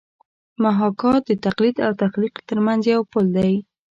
محاکات د تقلید او تخلیق ترمنځ یو پل دی